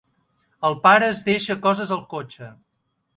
El pare es deixa coses al cotxe.